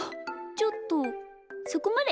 ちょっとそこまで。